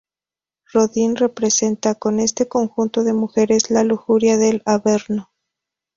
Rodin representa con este conjunto de mujeres, la lujuria del averno.